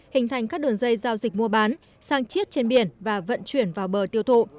hình thành các đường dây giao dịch mua bán sang chiết trên biển và vận chuyển vào bờ tiêu thụ